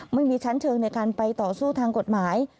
ไม่มีชั้นเชิงในการไปต่อสู้ทางกฎหมาย